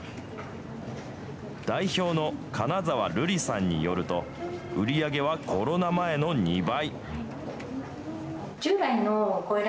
代表の金澤瑠璃さんによると、売り上げはコロナ前の２倍。